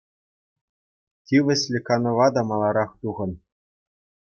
Тивӗҫлӗ канӑва та маларах тухӑн.